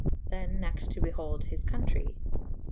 Than next to behold his contrey.